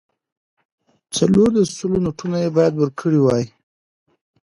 څلور د سلو نوټونه یې باید ورکړای وای.